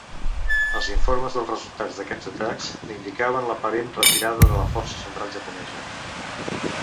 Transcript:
Els informes dels resultats d'aquests atacs, indicaven l'aparent retirada de la força central japonesa.